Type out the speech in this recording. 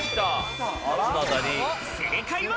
正解は。